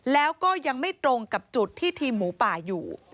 แล้วก็ยังไม่ตรงกับจุดที่ทีมหมูป่าอยู่